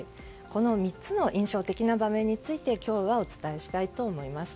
この３つの印象的な場面について今日はお伝えしたいと思います。